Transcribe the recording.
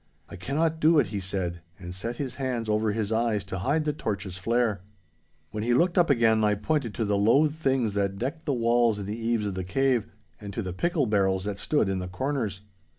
'I cannot do it!' he said, and set his hands over his eyes to hide the torches' flare. When he looked up again I pointed to the loathed things that decked the walls in the eaves of the cave, and to the pickle barrels that stood in the corners.